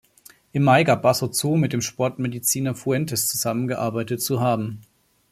Im Mai gab Basso zu, mit dem Sportmediziner Fuentes zusammengearbeitet zu haben.